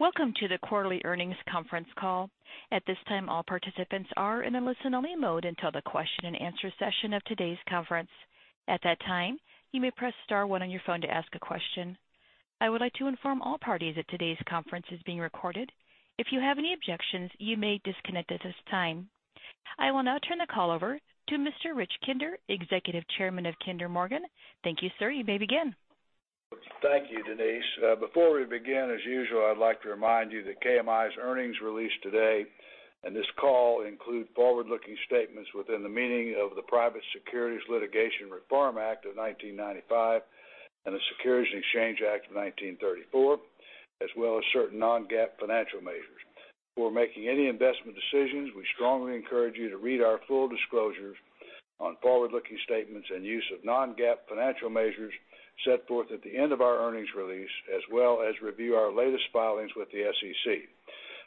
Welcome to the quarterly earnings conference call. At this time, all participants are in a listen-only mode until the question-and-answer session of today's conference. At that time, you may press star one on your phone to ask a question. I would like to inform all parties that today's conference is being recorded. If you have any objections, you may disconnect at this time. I will now turn the call over to Mr. Rich Kinder, Executive Chairman of Kinder Morgan. Thank you, sir. You may begin. Thank you, Denise. Before we begin, as usual, I'd like to remind you that KMI's earnings release today, and this call include forward-looking statements within the meaning of the Private Securities Litigation Reform Act of 1995 and the Securities Exchange Act of 1934, as well as certain non-GAAP financial measures. Before making any investment decisions, we strongly encourage you to read our full disclosures on forward-looking statements and use of non-GAAP financial measures set forth at the end of our earnings release, as well as review our latest filings with the SEC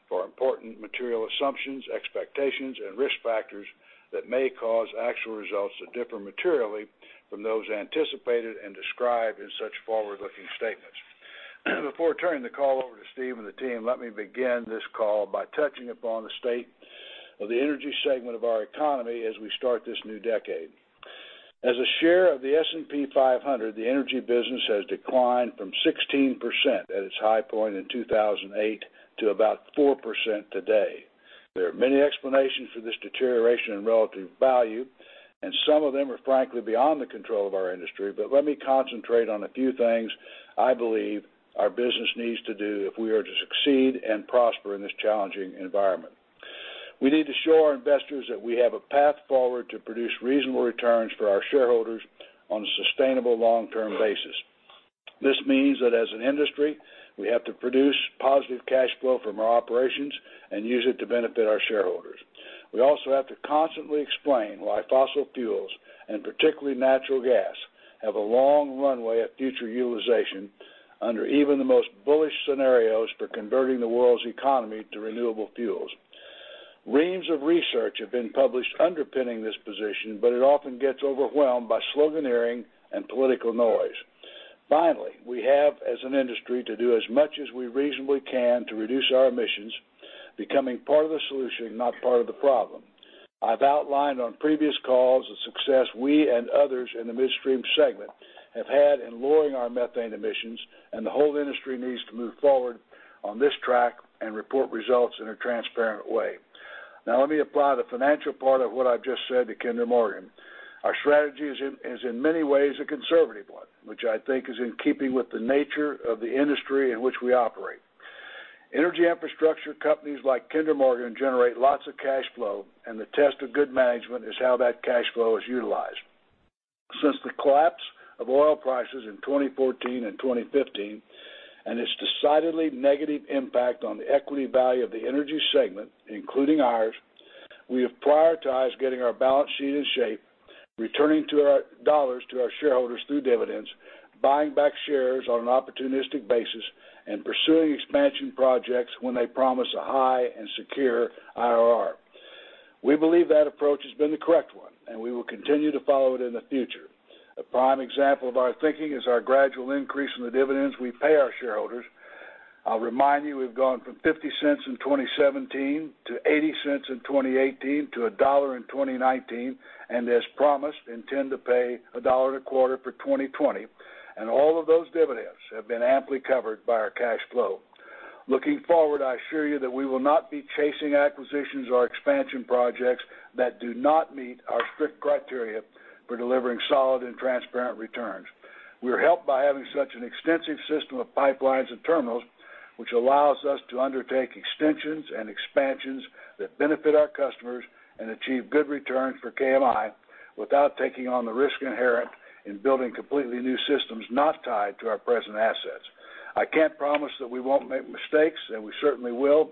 for important material assumptions, expectations, and risk factors that may cause actual results to differ materially from those anticipated and described in such forward-looking statements. Before turning the call over to Steve and the team, let me begin this call by touching upon the state of the energy segment of our economy as we start this new decade. As a share of the S&P 500, the energy business has declined from 16% at its high point in 2008 to about 4% today. There are many explanations for this deterioration in relative value. Some of them are frankly beyond the control of our industry. Let me concentrate on a few things I believe our business needs to do if we are to succeed and prosper in this challenging environment. We need to show our investors that we have a path forward to produce reasonable returns for our shareholders on a sustainable long-term basis. This means that as an industry, we have to produce positive cash flow from our operations and use it to benefit our shareholders. We also have to constantly explain why fossil fuels, and particularly natural gas, have a long runway of future utilization under even the most bullish scenarios for converting the world's economy to renewable fuels. Reams of research have been published underpinning this position, but it often gets overwhelmed by sloganeering and political noise. Finally, we have, as an industry, to do as much as we reasonably can to reduce our emissions, becoming part of the solution, not part of the problem. I've outlined on previous calls the success we and others in the midstream segment have had in lowering our methane emissions, and the whole industry needs to move forward on this track and report results in a transparent way. Now, let me apply the financial part of what I've just said to Kinder Morgan. Our strategy is in many ways a conservative one, which I think is in keeping with the nature of the industry in which we operate. Energy infrastructure companies like Kinder Morgan generate lots of cash flow, and the test of good management is how that cash flow is utilized. Since the collapse of oil prices in 2014 and 2015, and its decidedly negative impact on the equity value of the energy segment, including ours, we have prioritized getting our balance sheet in shape, returning dollars to our shareholders through dividends, buying back shares on an opportunistic basis, and pursuing expansion projects when they promise a high and secure IRR. We believe that approach has been the correct one, and we will continue to follow it in the future. A prime example of our thinking is our gradual increase in the dividends we pay our shareholders. I'll remind you, we've gone from $0.50 in 2017 to $0.80 in 2018 to $1.00 in 2019, and as promised, intend to pay a dollar and a quarter for 2020, and all of those dividends have been amply covered by our cash flow. Looking forward, I assure you that we will not be chasing acquisitions or expansion projects that do not meet our strict criteria for delivering solid and transparent returns. We are helped by having such an extensive system of pipelines and terminals, which allows us to undertake extensions and expansions that benefit our customers and achieve good returns for KMI without taking on the risk inherent in building completely new systems not tied to our present assets. I can't promise that we won't make mistakes, and we certainly will.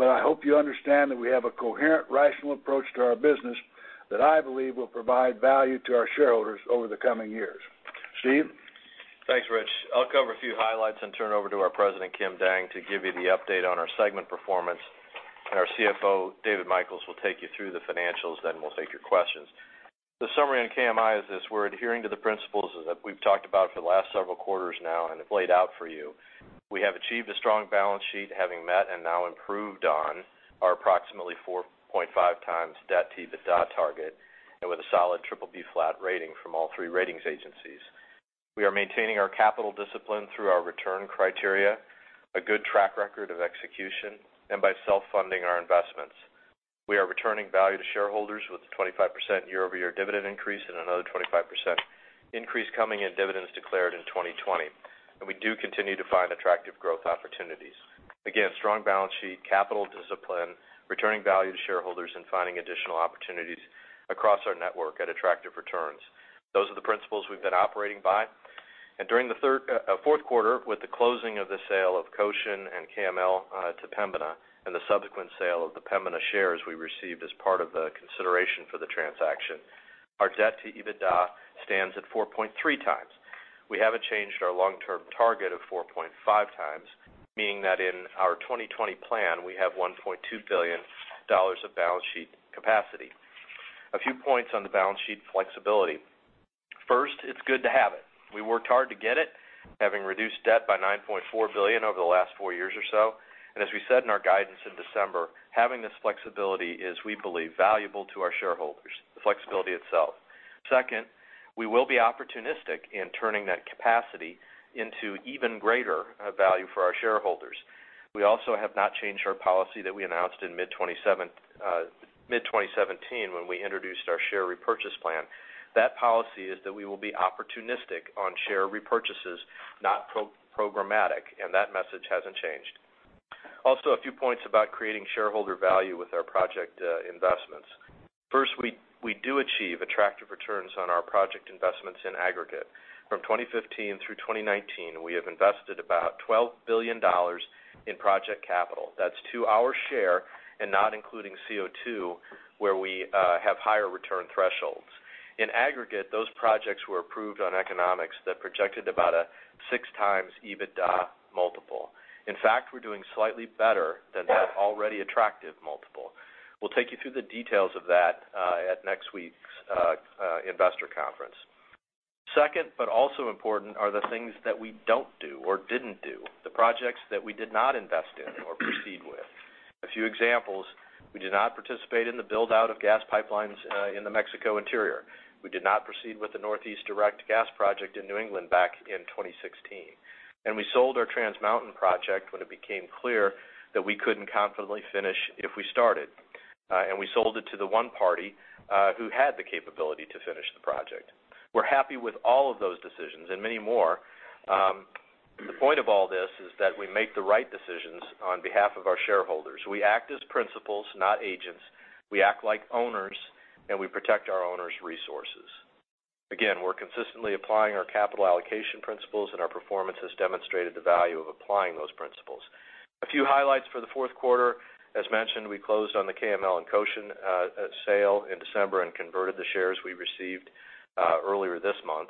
I hope you understand that we have a coherent, rational approach to our business that I believe will provide value to our shareholders over the coming years. Steve? Thanks, Rich. I'll cover a few highlights and turn it over to our President, Kim Dang, to give you the update on our segment performance, and our CFO, David Michels, will take you through the financials. We'll take your questions. The summary on KMI is this: We're adhering to the principles that we've talked about for the last several quarters now and have laid out for you. We have achieved a strong balance sheet, having met and now improved on our approximately 4.5x debt-to-EBITDA target, and with a solid BBB flat rating from all three ratings agencies. We are maintaining our capital discipline through our return criteria, a good track record of execution, and by self-funding our investments. We are returning value to shareholders with a 25% year-over-year dividend increase and another 25% increase coming in dividends declared in 2020, and we do continue to find attractive growth opportunities. Again, strong balance sheet, capital discipline, returning value to shareholders, and finding additional opportunities across our network at attractive returns. Those are the principles we've been operating by. During the fourth quarter, with the closing of the sale of Cochin and KML to Pembina and the subsequent sale of the Pembina shares we received as part of the consideration for the transaction, our debt to EBITDA stands at 4.3x. We haven't changed our long-term target of 4.5x, meaning that in our 2020 plan, we have $1.2 billion of balance sheet capacity. A few points on the balance sheet flexibility. First, it's good to have it. We worked hard to get it, having reduced debt by $9.4 billion over the last four years or so. As we said in our guidance in December, having this flexibility is, we believe, valuable to our shareholders, the flexibility itself. Second, we will be opportunistic in turning that capacity into even greater value for our shareholders. We also have not changed our policy that we announced in mid-2017 when we introduced our share repurchase plan. That policy is that we will be opportunistic on share repurchases, not programmatic, and that message hasn't changed. A few points about creating shareholder value with our project investments. First, we do achieve attractive returns on our project investments in aggregate. From 2015 through 2019, we have invested about $12 billion in project capital. That's to our share and not including CO2, where we have higher return thresholds. In aggregate, those projects were approved on economics that projected about a 6x EBITDA multiple. In fact, we're doing slightly better than that already attractive multiple. We'll take you through the details of that at next week's investor conference. Second, but also important, are the things that we don't do or didn't do, the projects that we did not invest in or proceed with. A few examples: We did not participate in the build-out of gas pipelines in the Mexico interior. We did not proceed with the Northeast Direct Gas Project in New England back in 2016. We sold our Trans Mountain project when it became clear that we couldn't confidently finish if we started. We sold it to the one party who had the capability to finish the project. We're happy with all of those decisions and many more. The point of all this is that we make the right decisions on behalf of our shareholders. We act as principals, not agents. We act like owners, and we protect our owners' resources. We're consistently applying our capital allocation principles, and our performance has demonstrated the value of applying those principles. A few highlights for the fourth quarter. As mentioned, we closed on the KML and Cochin sale in December and converted the shares we received earlier this month.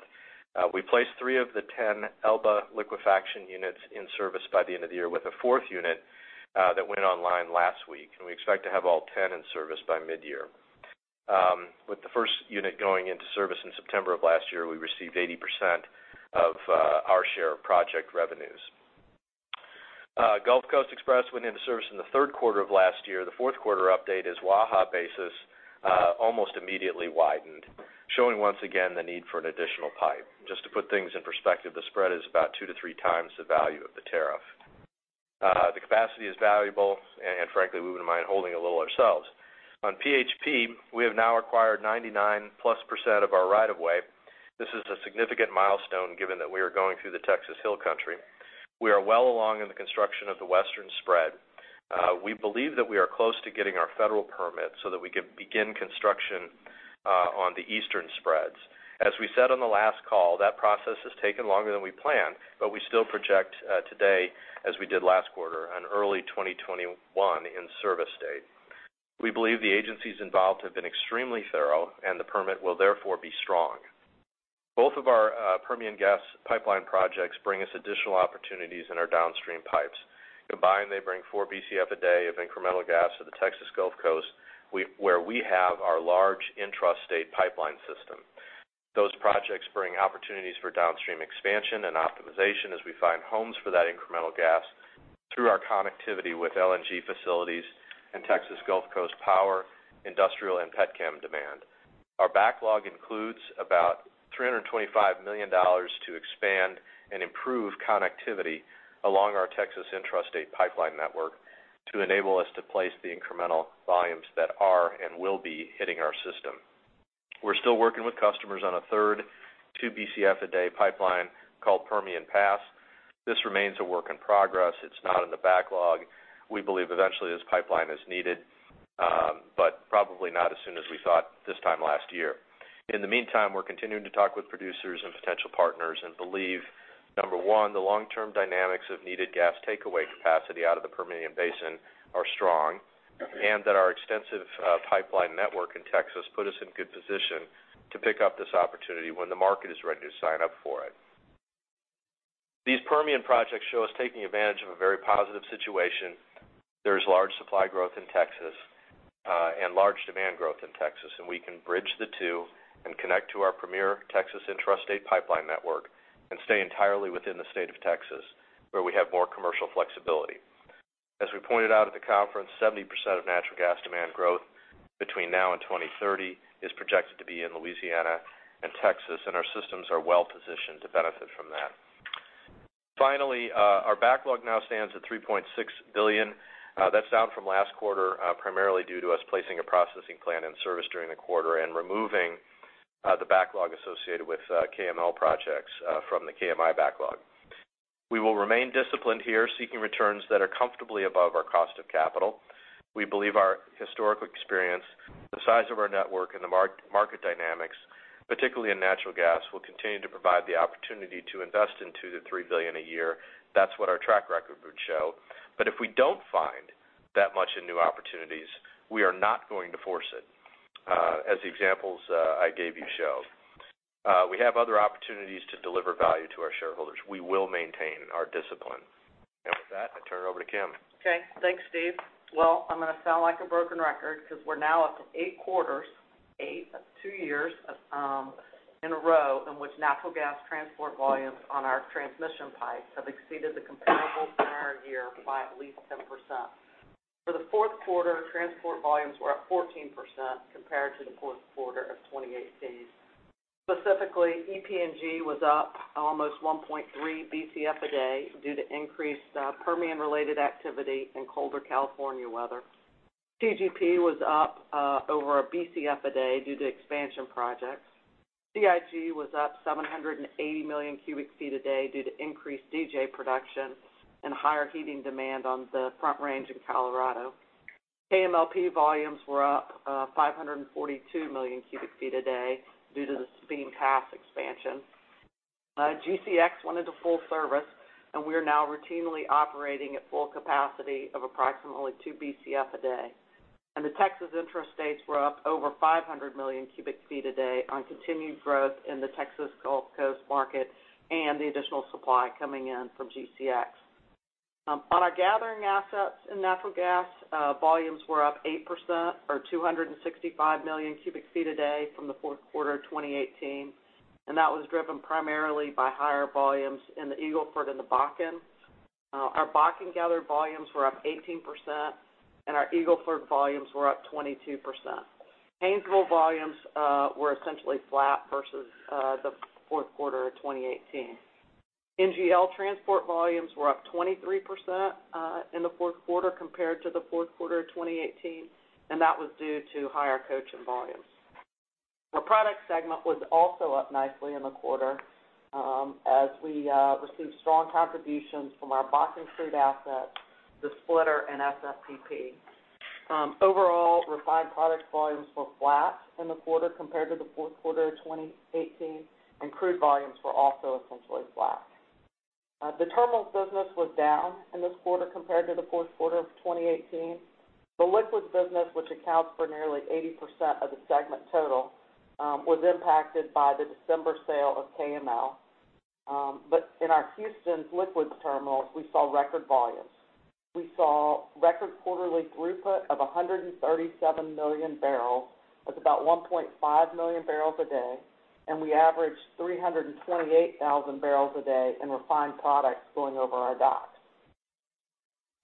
We placed three of the 10 Elba liquefaction units in service by the end of the year with a fourth unit that went online last week, and we expect to have all 10 in service by mid-year. With the first unit going into service in September of last year, we received 80% of our share of project revenues. Gulf Coast Express went into service in the third quarter of last year. The fourth quarter update is Waha basis almost immediately widened, showing once again the need for an additional pipe. Just to put things in perspective, the spread is about two to three times the value of the tariff. The capacity is valuable, and frankly, we wouldn't mind holding a little ourselves. On PHP, we have now acquired 99%+ of our right of way. This is a significant milestone given that we are going through the Texas Hill Country. We are well along in the construction of the Western Spread. We believe that we are close to getting our federal permit so that we can begin construction on the Eastern Spreads. As we said on the last call, that process has taken longer than we planned, but we still project today, as we did last quarter, an early 2021 in-service date. We believe the agencies involved have been extremely thorough, and the permit will therefore be strong. Both of our Permian gas pipeline projects bring us additional opportunities in our downstream pipes. Combined, they bring 4 Bcf a day of incremental gas to the Texas Gulf Coast, where we have our large intrastate pipeline system. Those projects bring opportunities for downstream expansion and optimization as we find homes for that incremental gas through our connectivity with LNG facilities and Texas Gulf Coast Power, industrial, and petchem demand. Our backlog includes about $325 million to expand and improve connectivity along our Texas intrastate pipeline network to enable us to place the incremental volumes that are and will be hitting our system. We're still working with customers on a third 2 Bcf a day pipeline called Permian Pass. This remains a work in progress. It's not in the backlog. We believe eventually this pipeline is needed, but probably not as soon as we thought this time last year. In the meantime, we're continuing to talk with producers and potential partners and believe, number one, the long-term dynamics of needed gas takeaway capacity out of the Permian Basin are strong and that our extensive pipeline network in Texas put us in good position to pick up this opportunity when the market is ready to sign up for it. These Permian projects show us taking advantage of a very positive situation. There is large supply growth in Texas and large demand growth in Texas, we can bridge the two and connect to our premier Texas intrastate pipeline network and stay entirely within the state of Texas, where we have more commercial flexibility. As we pointed out at the conference, 70% of natural gas demand growth between now and 2030 is projected to be in Louisiana and Texas, our systems are well-positioned to benefit from that. Our backlog now stands at $3.6 billion. That's down from last quarter, primarily due to us placing a processing plant in service during the quarter and removing the backlog associated with KML projects from the KMI backlog. We will remain disciplined here, seeking returns that are comfortably above our cost of capital. We believe our historical experience, the size of our network, and the market dynamics, particularly in natural gas, will continue to provide the opportunity to invest in $2 billion-$3 billion a year. That's what our track record would show. If we don't find that much in new opportunities, we are not going to force it, as the examples I gave you show. We have other opportunities to deliver value to our shareholders. We will maintain our discipline. With that, I turn it over to Kim. Okay. Thanks, Steve. Well, I'm going to sound like a broken record because we're now up to eight quarters, that's two years, in a row in which natural gas transport volumes on our transmission pipes have exceeded the comparable prior year by at least 10%. For the fourth quarter, transport volumes were up 14% compared to the fourth quarter of 2018. Specifically, EPNG was up almost 1.3 Bcf a day due to increased Permian-related activity and colder California weather. PGP was up over a Bcf a day due to expansion projects. CIG was up 780 million cubic feet a day due to increased DJ production and higher heating demand on the Front Range in Colorado. KMLP volumes were up 542 million cubic feet a day due to the Sabine Pass expansion. GCX went into full service. We are now routinely operating at full capacity of approximately 2 Bcf a day. The Texas intrastates were up over 500 million cubic feet a day on continued growth in the Texas Gulf Coast market and the additional supply coming in from GCX. On our gathering assets in natural gas, volumes were up 8% or 265 million cubic feet a day from the fourth quarter of 2018. That was driven primarily by higher volumes in the Eagle Ford and the Bakken. Our Bakken gathered volumes were up 18%. Our Eagle Ford volumes were up 22%. Haynesville volumes were essentially flat versus the fourth quarter of 2018. NGL transport volumes were up 23% in the fourth quarter compared to the fourth quarter of 2018. That was due to higher Cochin volumes. Our product segment was also up nicely in the quarter as we received strong contributions from our Bakken crude assets, the splitter, and SFPP. Overall, refined products volumes were flat in the quarter compared to the fourth quarter of 2018, and crude volumes were also essentially flat. The terminals business was down in this quarter compared to the fourth quarter of 2018. The liquids business, which accounts for nearly 80% of the segment total, was impacted by the December sale of KML. In our Houston liquids terminals, we saw record volumes. We saw record quarterly throughput of 137 million barrels. That's about 1.5 million barrels a day, and we averaged 328,000 barrels a day in refined products going over our docks.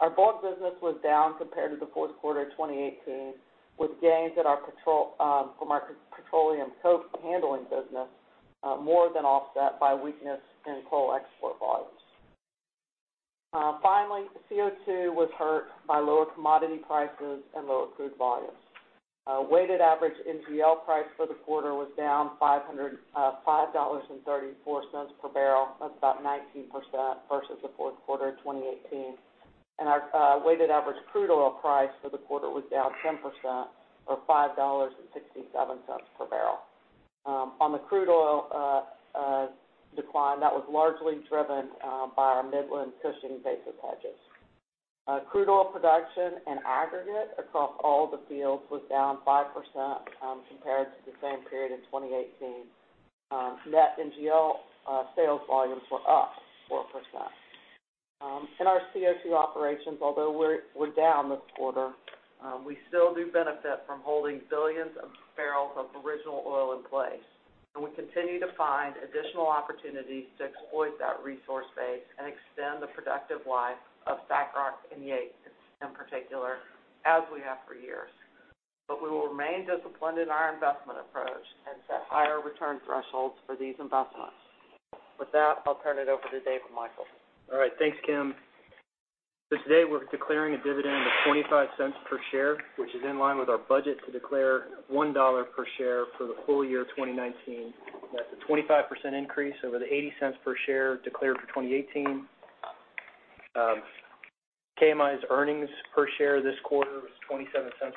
Our bulk business was down compared to the fourth quarter of 2018 with gains from our petroleum coke handling business more than offset by weakness in coal export volumes. Finally, CO2 was hurt by lower commodity prices and lower crude volumes. Weighted average NGL price for the quarter was down $5.34 per barrel. That's about 19% versus the fourth quarter of 2018. Our weighted average crude oil price for the quarter was down 10% or $5.67 per barrel. On the crude oil decline, that was largely driven by our Midland Cushing basis hedges. Crude oil production in aggregate across all the fields was down 5% compared to the same period in 2018. Net NGL sales volumes were up 4%. In our CO2 operations, although we're down this quarter, we still do benefit from holding billions of barrels of original oil in place, and we continue to find additional opportunities to exploit that resource base and extend the productive life of Bakken and the Yates in particular, as we have for years. We will remain disciplined in our investment approach and set higher return thresholds for these investments. With that, I'll turn it over to David Michels. All right. Thanks, Kim. Today, we're declaring a dividend of $0.25 per share, which is in line with our budget to declare $1 per share for the full year 2019. That's a 25% increase over the $0.80 per share declared for 2018. KMI's earnings per share this quarter was $0.27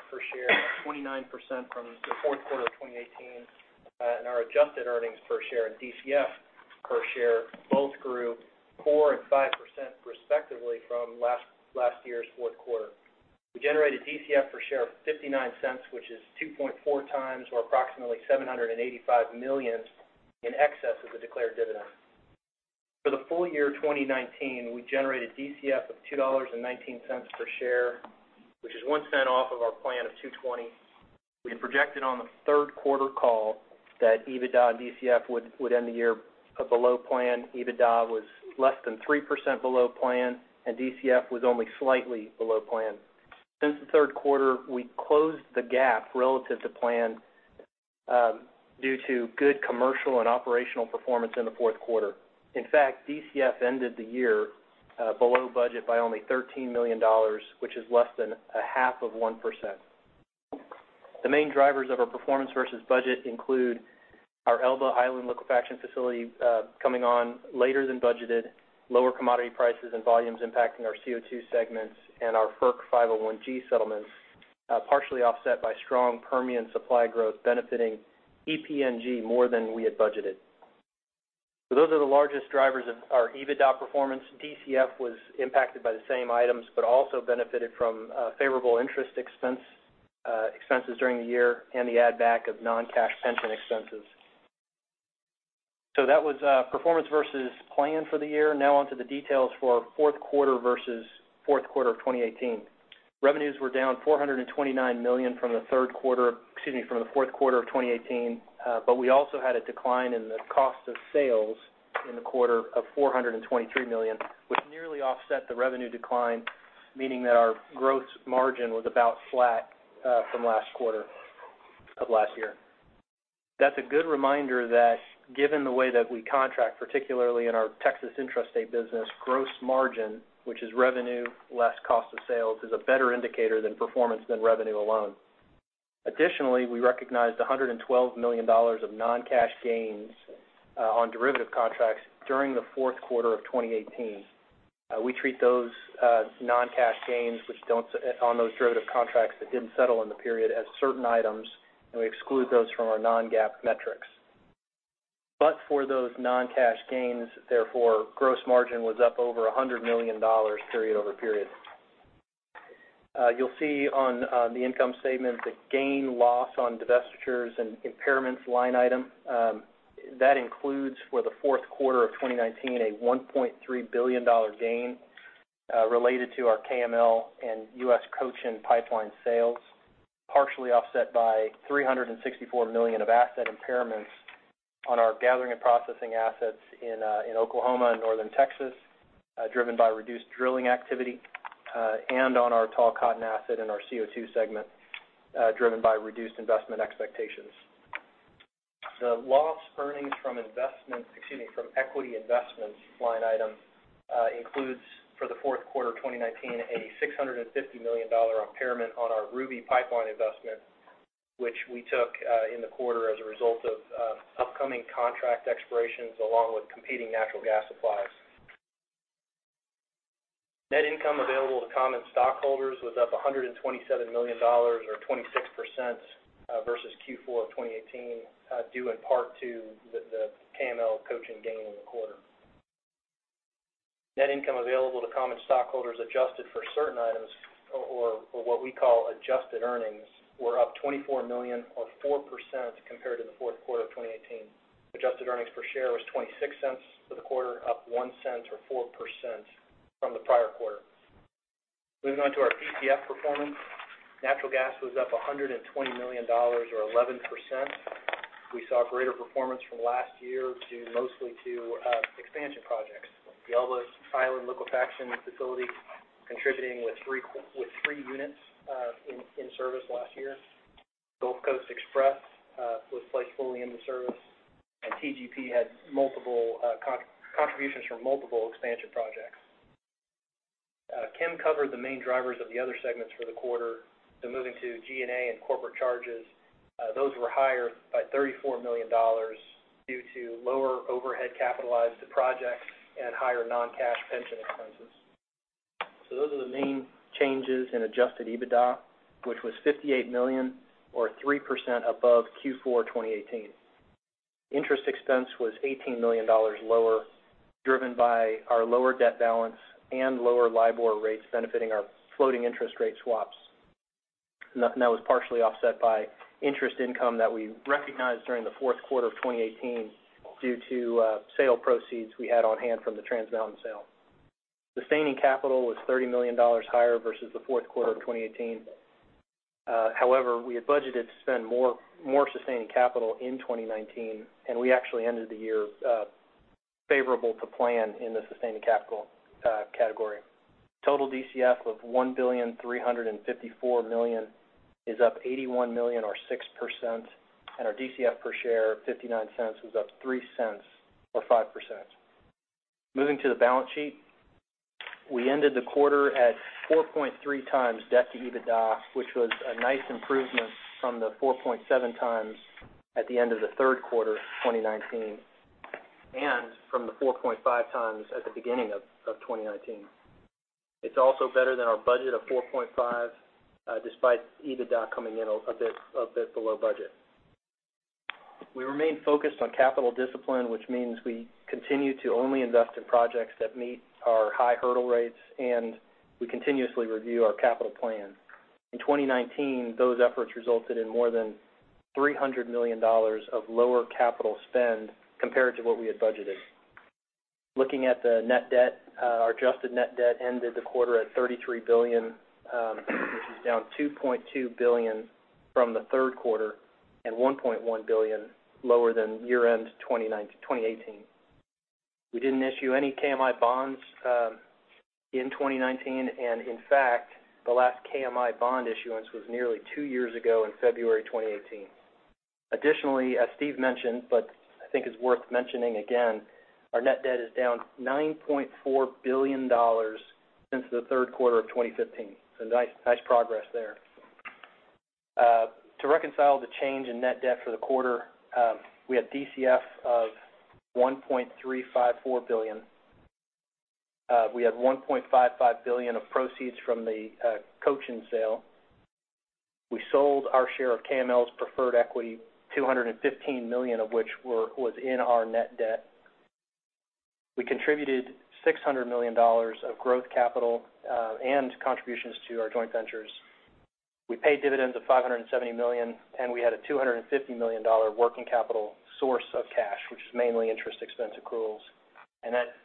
per share, up 29% from the fourth quarter of 2018. Our adjusted earnings per share and DCF per share both grew 4% and 5% respectively from last year's fourth quarter. We generated DCF per share of $0.59, which is 2.4x or approximately $785 million in excess of the declared dividend. For the full year 2019, we generated DCF of $2.19 per share, which is $0.01 off of our plan of $2.20. We had projected on the third quarter call that EBITDA and DCF would end the year below plan. EBITDA was less than 3% below plan, and DCF was only slightly below plan. Since the third quarter, we closed the gap relative to plan, due to good commercial and operational performance in the fourth quarter. In fact, DCF ended the year below budget by only $13 million, which is less than a half of 1%. The main drivers of our performance versus budget include our Elba Island liquefaction facility coming on later than budgeted, lower commodity prices and volumes impacting our CO2 segments, and our FERC 501 settlements, partially offset by strong Permian supply growth benefiting EPNG more than we had budgeted. Those are the largest drivers of our EBITDA performance. DCF was impacted by the same items, but also benefited from favorable interest expense, expenses during the year and the add back of non-cash pension expenses. That was performance versus plan for the year. On to the details for our fourth quarter versus fourth quarter of 2018. Revenues were down $429 million from the fourth quarter of 2018, we also had a decline in the cost of sales in the quarter of $423 million, which nearly offset the revenue decline, meaning that our gross margin was about flat from last quarter of last year. That's a good reminder that given the way that we contract, particularly in our Texas intrastate business, gross margin, which is revenue less cost of sales, is a better indicator than performance than revenue alone. Additionally, we recognized $112 million of non-cash gains on derivative contracts during the fourth quarter of 2018. We treat those non-cash gains on those derivative contracts that didn't settle in the period as certain items, and we exclude those from our non-GAAP metrics. For those non-cash gains, therefore, gross margin was up over $100 million period over period. You'll see on the income statement the gain loss on divestitures and impairments line item. That includes, for the fourth quarter of 2019, a $1.3 billion gain related to our KML and U.S. Cochin Pipeline sales, partially offset by $364 million of asset impairments on our gathering and processing assets in Oklahoma and northern Texas, driven by reduced drilling activity, and on our Tall Cotton asset in our CO2 segment, driven by reduced investment expectations. The loss earnings from equity investments line item includes, for the fourth quarter of 2019, a $650 million impairment on our Ruby Pipeline investment, which we took in the quarter as a result of upcoming contract expirations, along with competing natural gas supplies. Net income available to common stockholders was up $127 million or 26% versus Q4 of 2018, due in part to the KML Cochin gain in the quarter. Net income available to common stockholders adjusted for certain items or what we call adjusted earnings, were up $24 million or 4% compared to the fourth quarter of 2018. Adjusted earnings per share was $0.26 for the quarter, up $0.01 or 4% from the prior quarter. Moving on to our DCF performance. Natural gas was up $120 million or 11%. We saw greater performance from last year mostly to expansion projects. The Elba Island liquefaction facility contributing with three units in service last year. Gulf Coast Express was placed fully into service, TGP had contributions from multiple expansion projects. Kim covered the main drivers of the other segments for the quarter, moving to G&A and corporate charges. Those were higher by $34 million due to lower overhead capitalized to projects and higher non-cash pension expenses. Those are the main changes in adjusted EBITDA, which was $58 million or 3% above Q4 2018. Interest expense was $18 million lower, driven by our lower debt balance and lower LIBOR rates benefiting our floating interest rate swaps. That was partially offset by interest income that we recognized during the fourth quarter of 2018 due to sale proceeds we had on hand from the Trans Mountain sale. Sustaining capital was $30 million higher versus the fourth quarter of 2018. We had budgeted to spend more sustaining capital in 2019, and we actually ended the year favorable to plan in the sustaining capital category. Total DCF of $1.354 billion is up $81 million or 6%, and our DCF per share of $0.59 was up $0.03 or 5%. Moving to the balance sheet. We ended the quarter at 4.3x debt to EBITDA, which was a nice improvement from the 4.7x at the end of the third quarter of 2019, and from the 4.5x at the beginning of 2019. It's also better than our budget of 4.5x, despite EBITDA coming in a bit below budget. We remain focused on capital discipline, which means we continue to only invest in projects that meet our high hurdle rates, and we continuously review our capital plan. In 2019, those efforts resulted in more than $300 million of lower capital spend compared to what we had budgeted. Looking at the net debt, our adjusted net debt ended the quarter at $33 billion, which is down $2.2 billion from the third quarter and $1.1 billion lower than year-end 2018. We didn't issue any KMI bonds in 2019, and in fact, the last KMI bond issuance was nearly two years ago in February 2018. Additionally, as Steve mentioned, but I think it's worth mentioning again, our net debt is down $9.4 billion since the third quarter of 2015. Nice progress there. To reconcile the change in net debt for the quarter, we had DCF of $1.354 billion. We had $1.55 billion of proceeds from the Cochin sale. We sold our share of KML's preferred equity, $215 million of which was in our net debt. We contributed $600 million of growth capital and contributions to our joint ventures. We paid dividends of $570 million. We had a $250 million working capital source of cash, which is mainly interest expense accruals.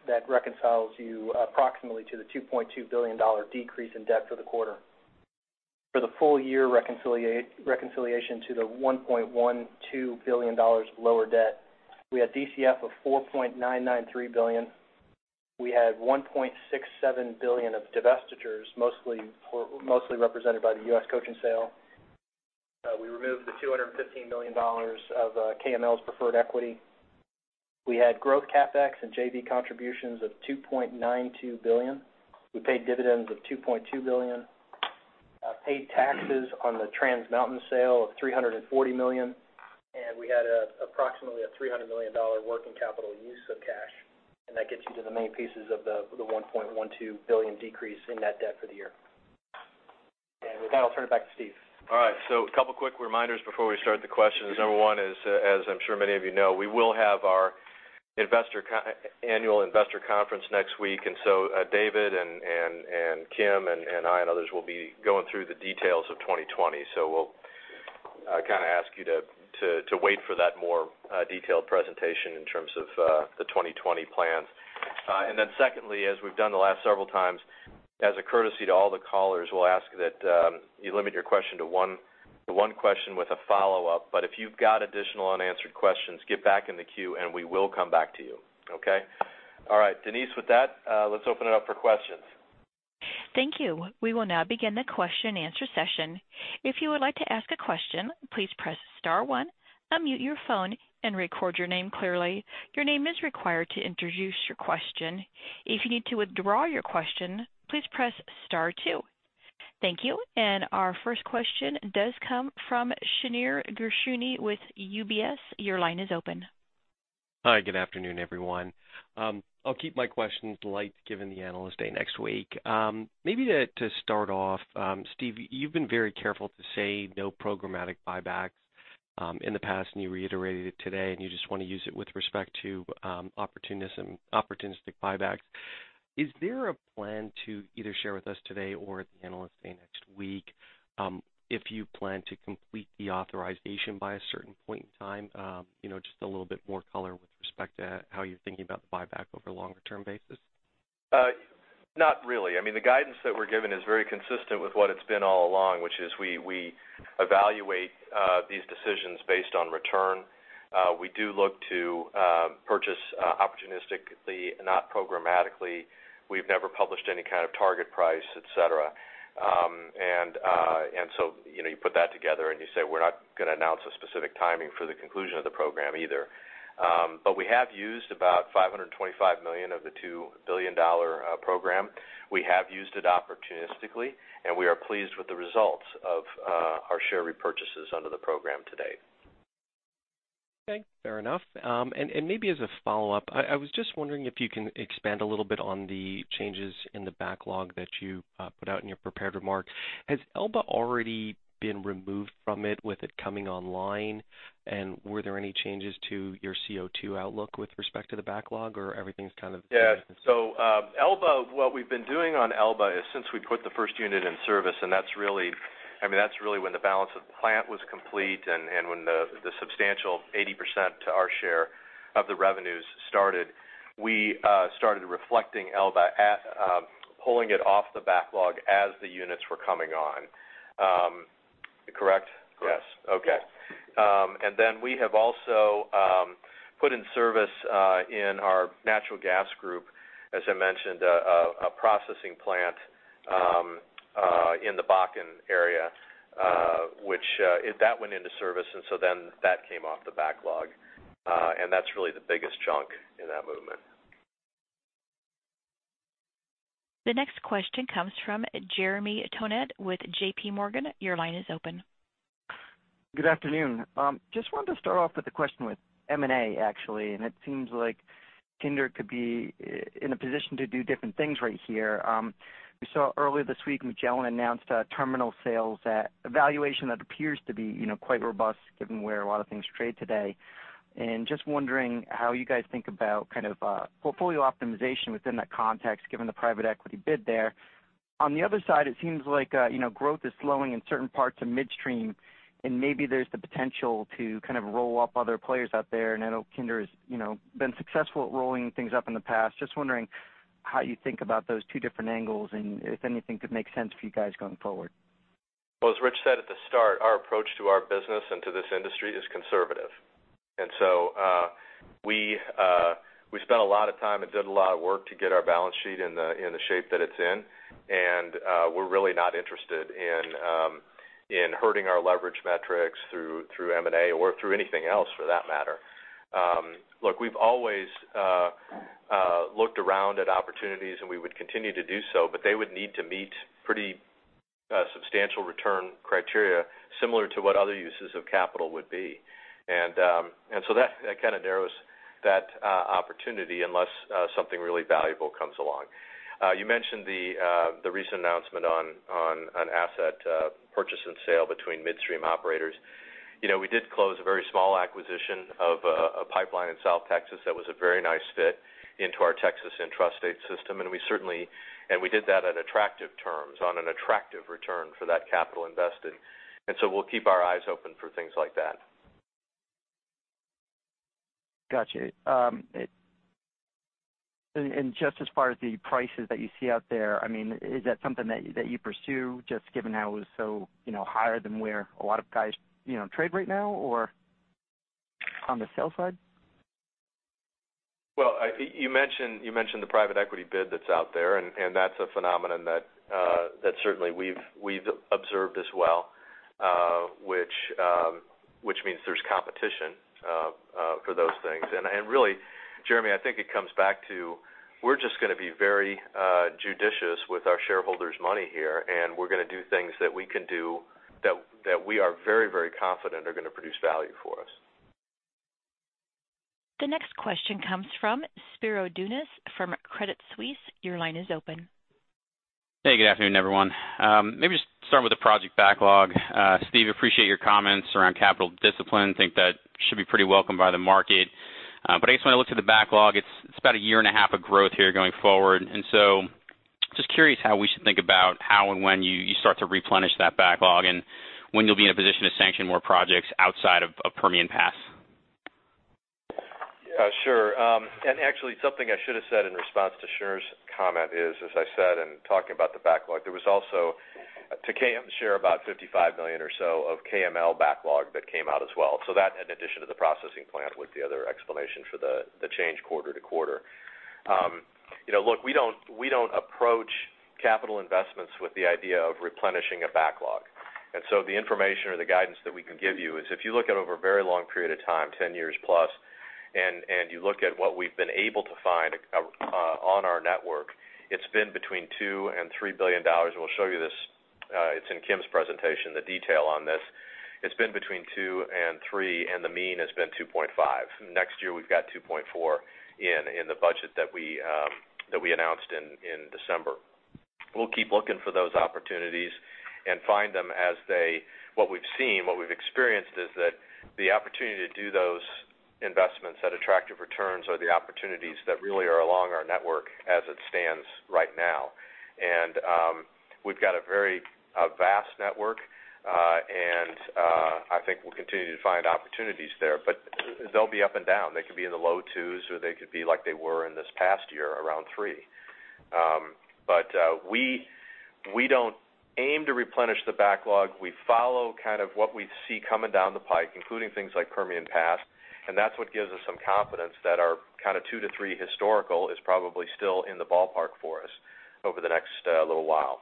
That reconciles you approximately to the $2.2 billion decrease in debt for the quarter. For the full year reconciliation to the $1.12 billion of lower debt, we had DCF of $4.993 billion. We had $1.67 billion of divestitures, mostly represented by the U.S. Cochin sale. We removed the $215 million of KML's preferred equity. We had growth CapEx and JV contributions of $2.92 billion. We paid dividends of $2.2 billion, paid taxes on the Trans Mountain sale of $340 million. We had approximately a $300 million working capital use of cash. That gets you to the main pieces of the $1.12 billion decrease in net debt for the year. With that, I'll turn it back to Steve. All right. A couple quick reminders before we start the questions. Number one is, as I'm sure many of you know, we will have our annual investor conference next week. David and Kim and I and others will be going through the details of 2020. We'll ask you to wait for that more detailed presentation in terms of the 2020 plans. Secondly, as we've done the last several times, as a courtesy to all the callers, we'll ask that you limit your question to one question with a follow-up. If you've got additional unanswered questions, get back in the queue, and we will come back to you. Okay. All right, Denise, with that, let's open it up for questions. Thank you. We will now begin the question-and-answer session. If you would like to ask a question, please press star one, unmute your phone and record your name clearly. Your name is required to introduce your question. If you need to withdraw your question, please press star two. Thank you. Our first question does come from Shneur Gershuni with UBS. Your line is open. Hi, good afternoon, everyone. I'll keep my questions light given the Analyst Day next week. Maybe to start off, Steve, you've been very careful to say no programmatic buybacks in the past. You reiterated it today. You just want to use it with respect to opportunistic buybacks. Is there a plan to either share with us today or at the Analyst Day next week if you plan to complete the authorization by a certain point in time? Just a little bit more color with respect to how you're thinking about the buyback over a longer-term basis. Not really. The guidance that we're giving is very consistent with what it's been all along, which is we evaluate these decisions based on return. We do look to purchase opportunistically, not programmatically. We've never published any kind of target price, et cetera. You put that together and you say we're not going to announce a specific timing for the conclusion of the program either. We have used about $525 million of the $2 billion program. We have used it opportunistically, and we are pleased with the results of our share repurchases under the program to date. Okay, fair enough. Maybe as a follow-up, I was just wondering if you can expand a little bit on the changes in the backlog that you put out in your prepared remarks. Has Elba already been removed from it with it coming online? Were there any changes to your CO2 outlook with respect to the backlog, or everything's kind of the business? Yeah. What we've been doing on Elba is since we put the first unit in service, and that's really when the balance of the plant was complete and when the substantial 80% to our share of the revenues started. We started reflecting Elba, pulling it off the backlog as the units were coming on. Correct? Yes. Okay. We have also put in service in our natural gas group, as I mentioned, a processing plant in the Bakken area, that went into service, that came off the backlog. That's really the biggest chunk in that movement. The next question comes from Jeremy Tonet with JPMorgan. Your line is open. Good afternoon. Just wanted to start off with a question with M&A, actually. It seems like Kinder could be in a position to do different things right here. We saw earlier this week, Magellan announced terminal sales at a valuation that appears to be quite robust given where a lot of things trade today. Just wondering how you guys think about portfolio optimization within that context, given the private equity bid there. On the other side, it seems like growth is slowing in certain parts of midstream, and maybe there's the potential to roll up other players out there. I know Kinder has been successful at rolling things up in the past. Just wondering how you think about those two different angles and if anything could make sense for you guys going forward. Well, as Rich said at the start, our approach to our business and to this industry is conservative. We spent a lot of time and did a lot of work to get our balance sheet in the shape that it's in, and we're really not interested in hurting our leverage metrics through M&A or through anything else for that matter. Look, we've always looked around at opportunities, and we would continue to do so, but they would need to meet pretty substantial return criteria similar to what other uses of capital would be. That kind of narrows that opportunity unless something really valuable comes along. You mentioned the recent announcement on asset purchase and sale between midstream operators. We did close a very small acquisition of a pipeline in South Texas that was a very nice fit into our Texas intrastate system, and we did that at attractive terms on an attractive return for that capital invested. We'll keep our eyes open for things like that. Got you. Just as far as the prices that you see out there, is that something that you pursue just given how it was so higher than where a lot of guys trade right now or on the sale side? Well, you mentioned the private equity bid that's out there, and that's a phenomenon that certainly we've observed as well, which means there's competition for those things. Really, Jeremy, I think it comes back to we're just going to be very judicious with our shareholders' money here, and we're going to do things that we can do that we are very confident are going to produce value for us. The next question comes from Spiro Dounis from Credit Suisse. Your line is open. Hey, good afternoon, everyone. Maybe just start with the project backlog. Steve, appreciate your comments around capital discipline. Think that should be pretty welcome by the market. I just want to look through the backlog. It's about a year and a half of growth here going forward. Just curious how we should think about how and when you start to replenish that backlog and when you'll be in a position to sanction more projects outside of Permian Pass. Sure. Actually, something I should have said in response to Shneur's comment is, as I said in talking about the backlog, there was also, to Kim's share, about $55 million or so of KML backlog that came out as well. That in addition to the processing plant was the other explanation for the change quarter-to-quarter. Look, we don't approach capital investments with the idea of replenishing a backlog. The information or the guidance that we can give you is if you look at over a very long period of time, 10+ years, and you look at what we've been able to find on our network, it's been between $2 billion-$3 billion. We'll show you this. It's in Kim's presentation, the detail on this. It's been between $2 billion and $3 billion, and the mean has been $2.5 billion. Next year, we've got $2.4 billion in the budget that we announced in December. We'll keep looking for those opportunities and find them. What we've seen, what we've experienced is that the opportunity to do those investments at attractive returns are the opportunities that really are along our network as it stands right now. We've got a very vast network, and I think we'll continue to find opportunities there, but they'll be up and down. They could be in the low twos or they could be like they were in this past year, around three. We don't aim to replenish the backlog. We follow kind of what we see coming down the pipe, including things like Permian Pass, and that's what gives us some confidence that our kind of two to three historical is probably still in the ballpark for us over the next little while.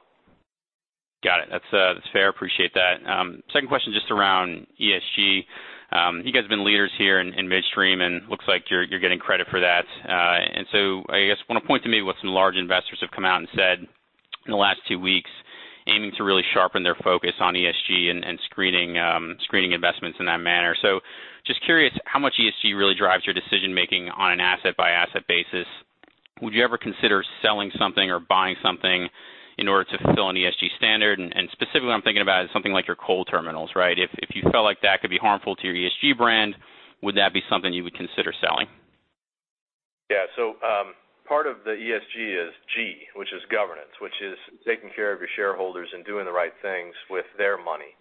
Got it. That's fair. Appreciate that. Second question, just around ESG. You guys have been leaders here in midstream, and looks like you're getting credit for that. So I guess want to point to maybe what some large investors have come out and said in the last two weeks, aiming to really sharpen their focus on ESG and screening investments in that manner. So just curious how much ESG really drives your decision-making on an asset-by-asset basis. Would you ever consider selling something or buying something in order to fulfill an ESG standard? Specifically, what I'm thinking about is something like your coal terminals, right? If you felt like that could be harmful to your ESG brand, would that be something you would consider selling? Part of the ESG is G, which is governance, which is taking care of your shareholders and doing the right things with their money.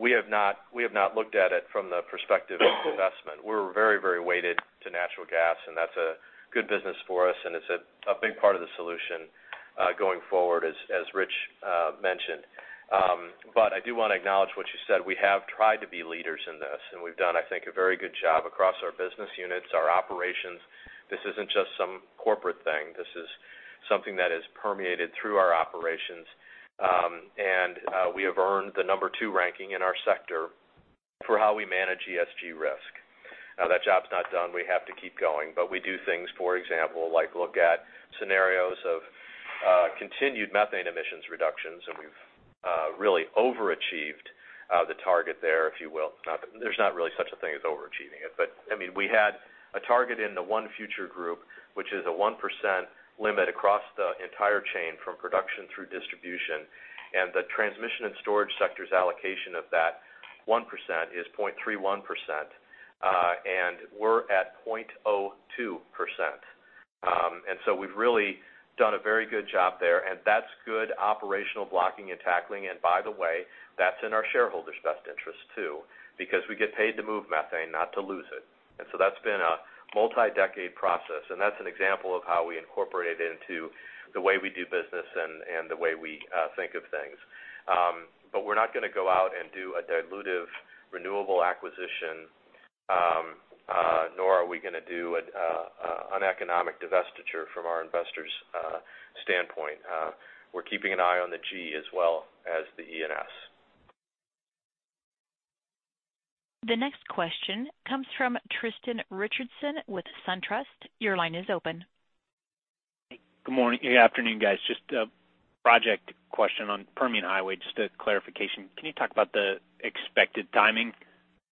We have not looked at it from the perspective of investment. We're very weighted to natural gas, and that's a good business for us, and it's a big part of the solution going forward, as Rich mentioned. I do want to acknowledge what you said. We have tried to be leaders in this, and we've done, I think, a very good job across our business units, our operations. This isn't just some corporate thing. This is something that has permeated through our operations. We have earned the number two ranking in our sector for how we manage ESG risk. Now, that job's not done. We have to keep going. We do things, for example, like look at scenarios of continued methane emissions reductions, and we've really overachieved the target there, if you will. There's not really such a thing as overachieving it. We had a target in the ONE Future group, which is a 1% limit across the entire chain from production through distribution. The transmission and storage sector's allocation of that 1% is 0.31%, and we're at 0.02%. We've really done a very good job there, and that's good operational blocking and tackling. By the way, that's in our shareholders' best interest too, because we get paid to move methane, not to lose it. That's been a multi-decade process, and that's an example of how we incorporate it into the way we do business and the way we think of things. We're not going to go out and do a dilutive renewable acquisition, nor are we going to do an economic divestiture from our investors' standpoint. We're keeping an eye on the G as well as the E and S. The next question comes from Tristan Richardson with SunTrust. Your line is open. Good morning. Good afternoon, guys. Just a project question on Permian Highway, just a clarification. Can you talk about the expected timing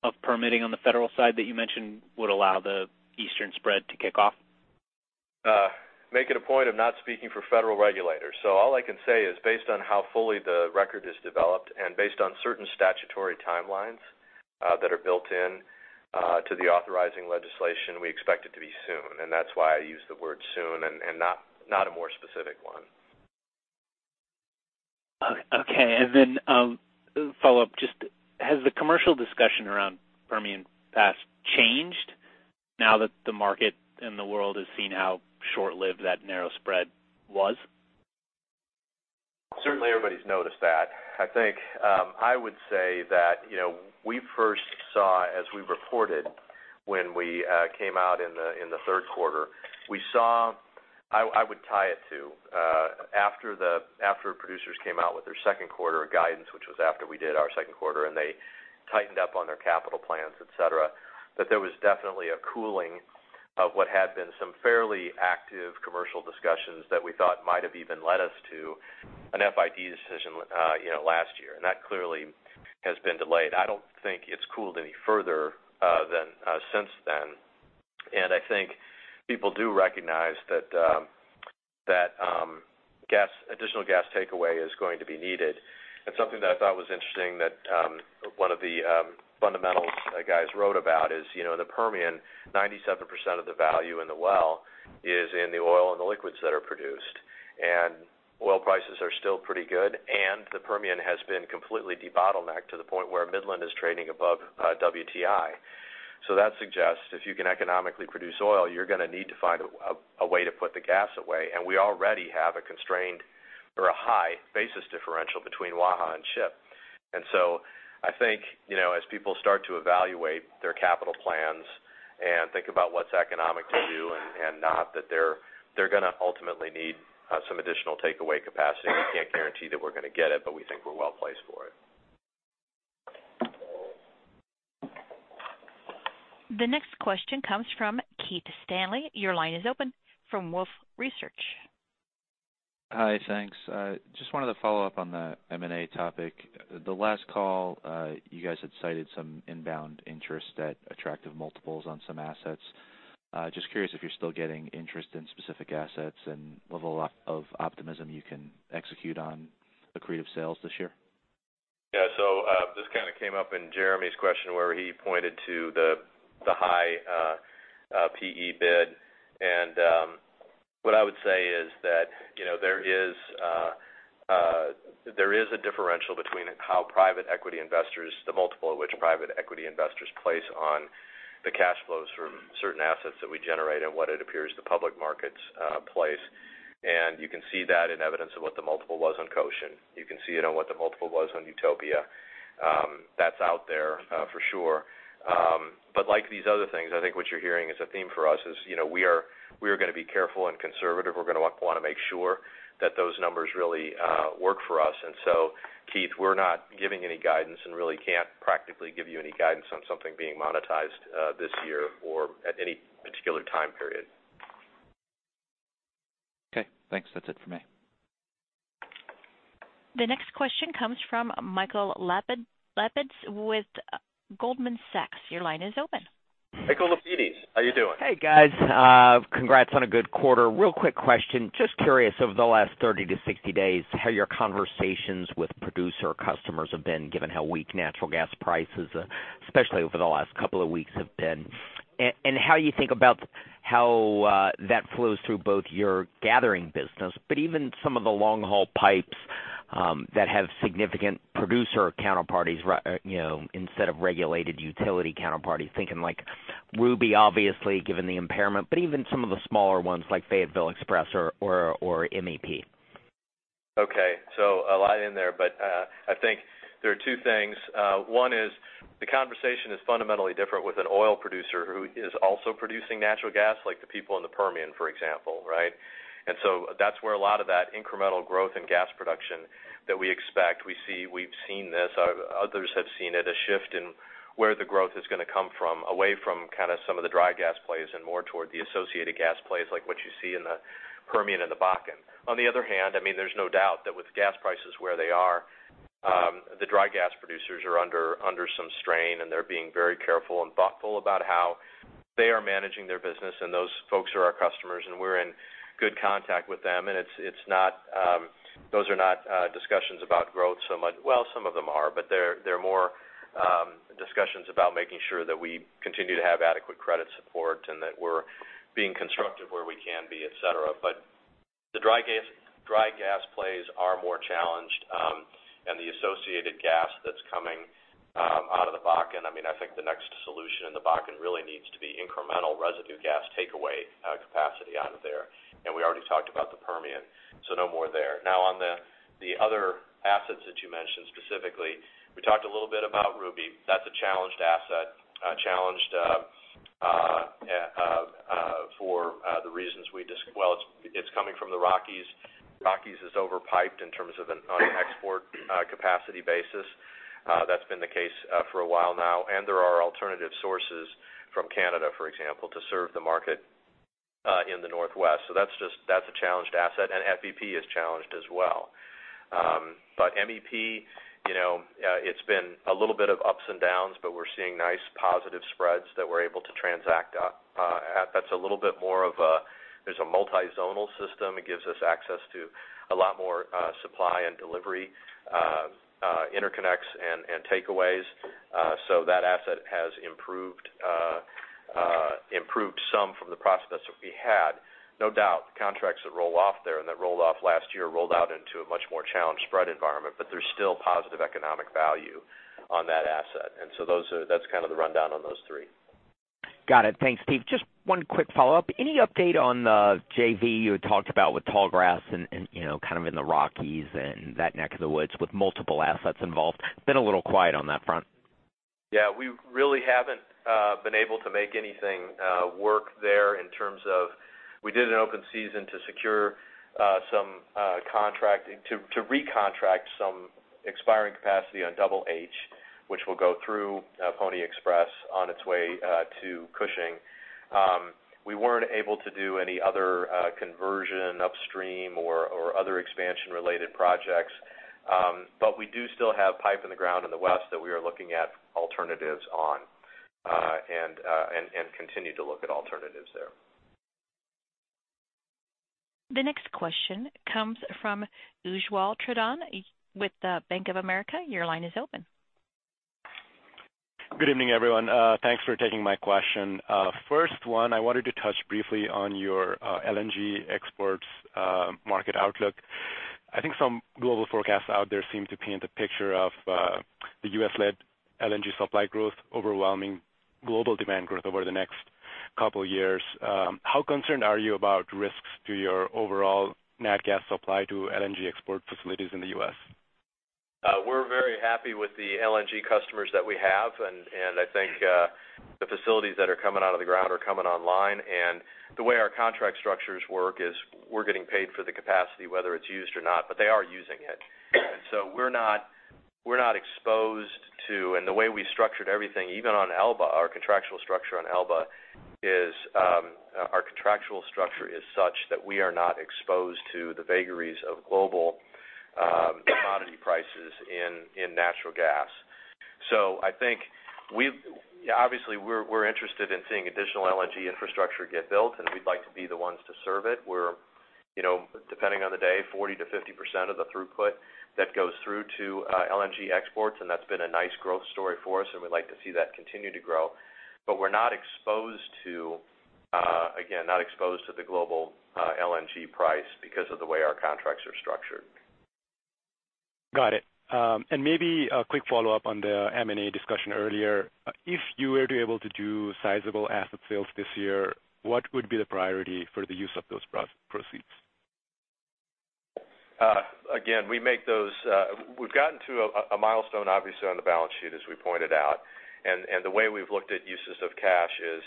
of permitting on the federal side that you mentioned would allow the Eastern spread to kick off? Make it a point of not speaking for federal regulators. All I can say is based on how fully the record is developed and based on certain statutory timelines that are built into the authorizing legislation, we expect it to be soon. That's why I use the word soon and not a more specific one. Okay. A follow-up. Just has the commercial discussion around Permian Pass changed now that the market and the world has seen how short-lived that narrow spread was? Certainly everybody's noticed that. I think I would say that we first saw, as we reported when we came out in the third quarter, I would tie it to after producers came out with their second quarter guidance, which was after we did our second quarter, and they tightened up on their capital plans, et cetera. There was definitely a cooling of what had been some fairly active commercial discussions that we thought might have even led us to an FID decision last year. That clearly has been delayed. I don't think it's cooled any further since then. I think people do recognize that additional gas takeaway is going to be needed. Something that I thought was interesting that one of the fundamentals guys wrote about is, the Permian, 97% of the value in the well is in the oil and the liquids that are produced. Oil prices are still pretty good, and the Permian has been completely debottlenecked to the point where Midland is trading above WTI. That suggests if you can economically produce oil, you're going to need to find a way to put the gas away, and we already have a constrained or a high basis differential between Waha and ship. I think, as people start to evaluate their capital plans and think about what's economic to do and not, that they're going to ultimately need some additional takeaway capacity. We can't guarantee that we're going to get it, but we think we're well-placed for it. The next question comes from Keith Stanley. Your line is open, from Wolfe Research. Hi, thanks. Just wanted to follow up on the M&A topic. The last call, you guys had cited some inbound interest at attractive multiples on some assets. Just curious if you're still getting interest in specific assets and level of optimism you can execute on accretive sales this year. Yeah. This kind of came up in Jeremy's question where he pointed to the high PE bid, and what I would say is that there is a differential between the multiple of which private equity investors place on the cash flows from certain assets that we generate and what it appears the public markets place. You can see that in evidence of what the multiple was on Cochin. You can see it on what the multiple was on Utopia. That's out there for sure. Like these other things, I think what you're hearing is a theme for us is we are going to be careful and conservative. We're going to want to make sure that those numbers really work for us. Keith, we're not giving any guidance and really can't practically give you any guidance on something being monetized this year or at any particular time period. Okay, thanks. That's it for me. The next question comes from Michael Lapides with Goldman Sachs. Your line is open. Michael Lapides, how you doing? Hey, guys. Congrats on a good quarter. Real quick question. Just curious, over the last 30-60 days, how your conversations with producer customers have been given how weak natural gas prices, especially over the last couple of weeks have been. How you think about how that flows through both your gathering business, but even some of the long-haul pipes that have significant producer counterparties instead of regulated utility counterparties. Thinking like Ruby, obviously, given the impairment, but even some of the smaller ones like Fayetteville Express or MEP. Okay. A lot in there, but I think there are two things. One is the conversation is fundamentally different with an oil producer who is also producing natural gas, like the people in the Permian, for example, right? That's where a lot of that incremental growth in gas production that we expect. We've seen this, others have seen it, a shift in where the growth is going to come from, away from kind of some of the dry gas plays and more toward the associated gas plays, like what you see in the Permian and the Bakken. There's no doubt that with gas prices where they are, the dry gas producers are under some strain, and they're being very careful and thoughtful about how they are managing their business. Those folks are our customers, and we're in good contact with them. Those are not discussions about growth so much. Well, some of them are, but they're more discussions about making sure that we continue to have adequate credit support and that we're being constructive where we can be, et cetera. The dry gas plays are more challenged, and the associated gas that's coming out of the Bakken. I think the next solution in the Bakken really needs to be incremental residue gas takeaway capacity out of there. We already talked about the Permian, no more there. On the other assets that you mentioned specifically, we talked a little bit about Ruby. That's a challenged asset. Challenged for the reasons we Well, it's coming from the Rockies. Rockies is over-piped in terms of an export capacity basis. That's been the case for a while now. There are alternative sources from Canada, for example, to serve the market in the Northwest. That's a challenged asset, and SFPP is challenged as well. MEP, it's been a little bit of ups and downs, but we're seeing nice positive spreads that we're able to transact. That's a little bit more of a multi-zonal system. It gives us access to a lot more supply and delivery interconnects and takeaways. That asset has improved some from the process that we had. No doubt the contracts that roll off there and that rolled off last year rolled out into a much more challenged spread environment, but there's still positive economic value on that asset. That's kind of the rundown on those three. Got it. Thanks, Steve. Just one quick follow-up. Any update on the JV you had talked about with Tallgrass and kind of in the Rockies and that neck of the woods with multiple assets involved? Been a little quiet on that front. Yeah. We really haven't been able to make anything work there in terms of We did an open season to recontract some expiring capacity on Double H, which will go through Pony Express on its way to Cushing. We weren't able to do any other conversion upstream or other expansion-related projects. We do still have pipe in the ground in the West that we are looking at alternatives on and continue to look at alternatives there. The next question comes from Ujjwal Pradhan with Bank of America. Your line is open. Good evening, everyone. Thanks for taking my question. First one, I wanted to touch briefly on your LNG exports market outlook. I think some global forecasts out there seem to paint a picture of the U.S.-led LNG supply growth overwhelming global demand growth over the next couple of years. How concerned are you about risks to your overall nat gas supply to LNG export facilities in the U.S.? We're very happy with the LNG customers that we have, I think the facilities that are coming out of the ground are coming online. The way our contract structures work is we're getting paid for the capacity, whether it's used or not, they are using it. We're not exposed to the way we structured everything, even on Elba, our contractual structure on Elba is such that we are not exposed to the vagaries of global commodity prices in natural gas. I think, obviously, we're interested in seeing additional LNG infrastructure get built, we'd like to be the ones to serve it. We're, depending on the day, 40%-50% of the throughput that goes through to LNG exports, that's been a nice growth story for us, we'd like to see that continue to grow. We're not exposed to the global LNG price because of the way our contracts are structured. Got it. Maybe a quick follow-up on the M&A discussion earlier. If you were to be able to do sizable asset sales this year, what would be the priority for the use of those proceeds? Again, we've gotten to a milestone, obviously, on the balance sheet, as we pointed out. The way we've looked at uses of cash is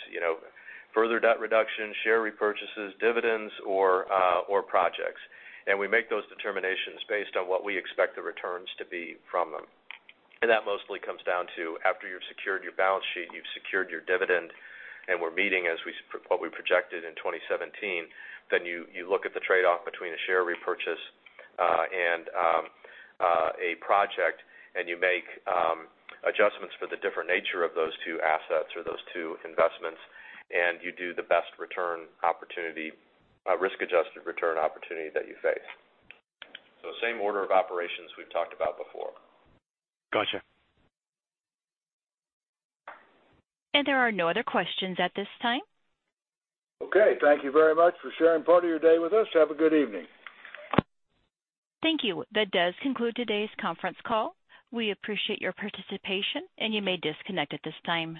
further debt reduction, share repurchases, dividends, or projects. We make those determinations based on what we expect the returns to be from them. That mostly comes down to after you've secured your balance sheet, you've secured your dividend, and we're meeting as what we projected in 2017, you look at the trade-off between a share repurchase and a project, and you make adjustments for the different nature of those two assets or those two investments, and you do the best risk-adjusted return opportunity that you face. Same order of operations we've talked about before. Got you. There are no other questions at this time. Okay, thank you very much for sharing part of your day with us. Have a good evening. Thank you. That does conclude today's conference call. We appreciate your participation, and you may disconnect at this time.